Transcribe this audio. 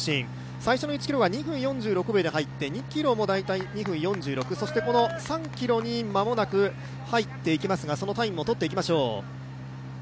最初の１ｋｍは２分４６秒で入って２ｋｍも大体２分４６そして３ｋｍに間もなく入っていきますがそのタイムをとっていきましょう。